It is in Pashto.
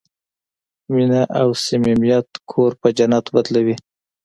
مینه او صمیمیت کور په جنت بدلوي.